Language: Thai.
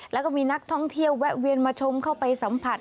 แล้วก็มีนักท่องเที่ยวแวะเวียนมาชมเข้าไปสัมผัส